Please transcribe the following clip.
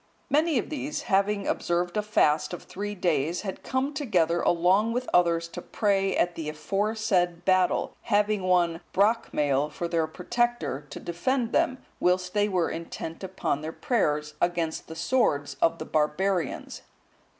Many of these, having observed a fast of three days, had come together along with others to pray at the aforesaid battle, having one Brocmail(173) for their protector, to defend them, whilst they were intent upon their prayers, against the swords of the barbarians.